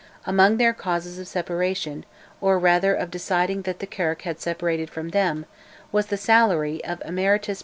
Among their causes of separation (or rather of deciding that the Kirk had separated from them) was the salary of Emeritus Professor Simson.